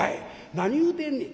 何言うてんねん」。